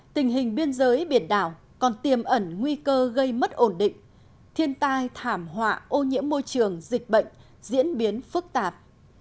tình hình biên giới biển đảo còn tiềm ẩn nguy cơ gây mất ổn định thiên tai thảm họa ô nhiễm môi trường dịch bệnh diễn biến phức tạp